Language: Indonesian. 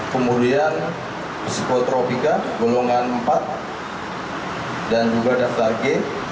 kemudian psikotropika golongan empat dan juga daftar g